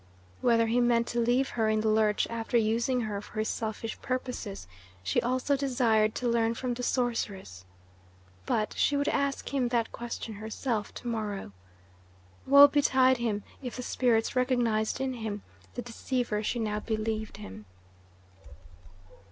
Whether he meant to leave her in the lurch after using her for his selfish purposes, she also desired to learn from the sorceress. But she would ask him that question herself to morrow. Woe betide him if the spirits recognised in him the deceiver she now believed him.